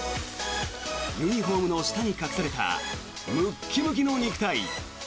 ユニホームの下に隠されたムキムキの肉体。